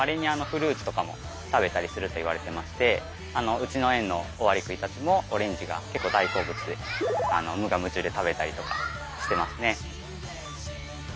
うちの園のオオアリクイたちもオレンジが結構大好物で無我夢中で食べたりとかしてますね。